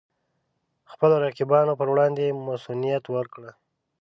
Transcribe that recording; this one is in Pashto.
خپلو رقیبانو پر وړاندې مصئونیت ورکړي.